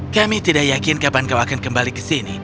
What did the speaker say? kami tidak yakin kapan kau akan kembali ke sini